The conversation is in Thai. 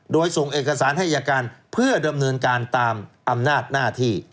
โดยส่งเอกสารให้อายการเพื่อดำเนินการตามอำนาจหน้าที่